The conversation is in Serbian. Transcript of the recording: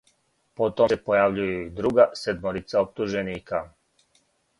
Потом се појављују и друга седморица оптуженика.